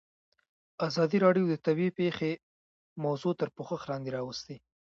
ازادي راډیو د طبیعي پېښې موضوع تر پوښښ لاندې راوستې.